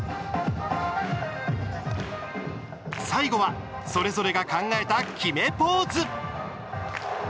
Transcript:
最後は、それぞれが考えた決めポーズ。